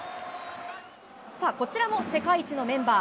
さあ、こちらも世界一のメンバー。